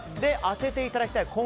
当てていただきたい